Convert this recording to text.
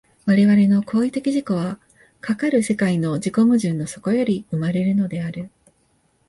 我々の行為的自己は、かかる世界の自己矛盾の底より生まれるのである。